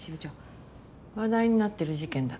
話題になってる事件だから？